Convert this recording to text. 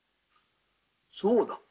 そうだ。